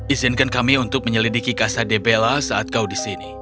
izinkan kami untuk menyelidiki casa de bella saat kau di sini